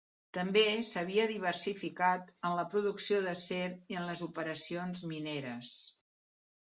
També s'havia diversificat en la producció d'acer i en les operacions mineres.